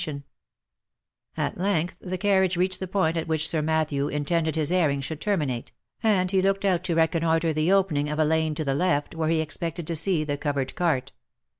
176 THE LIFE AND ADVENTURES At length the carriage reached the point at which Sir Matthew in tended his airing should terminate, and he looked out to reconnoitre the opening of a lane to the left where he expected to see the covered cart.